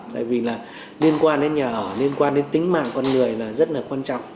tại vì là liên quan đến nhà ở liên quan đến tính mạng con người là rất là quan trọng